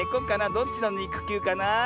どっちのにくきゅうかな。